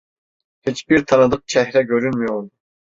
Hiçbir tanıdık çehre görünmüyordu.